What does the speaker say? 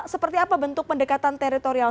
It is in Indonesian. seperti apa bentuk pendekatan teritorial